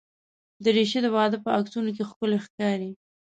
دریشي د واده په عکسونو کې ښکلي ښکاري.